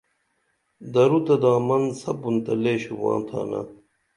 درو تہ دامن سپُن تہ لے شوباں تھانہ